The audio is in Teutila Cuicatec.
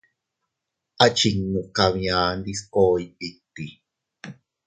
Achinnu kabia ndiskoy itti.